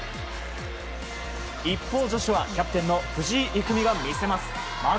一方、女子はキャプテンの藤井郁美が見せます。